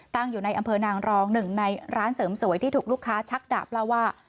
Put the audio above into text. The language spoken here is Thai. ตั้งอยู่อัมเมียนางรอง๑ในร้านเสริมสวยที่ถูกลูกค้าชักดับแล้วว่า